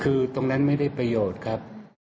คือตรงนั้นไม่ได้ประโยชน์ครับ